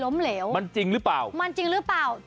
มันจริงหรือเปล่า